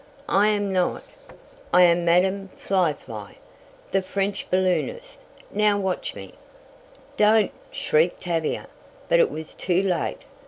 I am not I am Madam Fly Fly, the French balloonist. Now watch me!" "Don't!" shrieked Tavia. But it was too late.